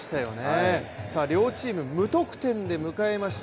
両チーム無得点で迎えました